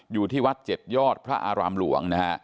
อยู่ที่วัด๗ยอดพระอารามหลวงนะฮะ